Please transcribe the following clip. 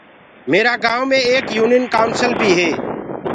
ميرآ گائونٚ مي ايڪ يونين ڪائونسل بي هي۔